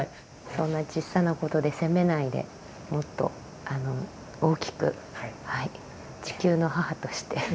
そんな小さなことで責めないでもっと大きく地球の母として。